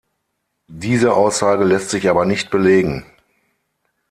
Diese Aussage lässt sich aber nicht belegen.